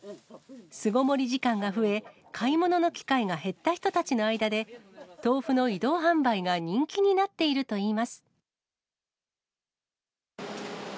巣ごもり時間が増え、買い物の機会が減った人たちの間で、豆腐の移動販売が人気になっているといいます。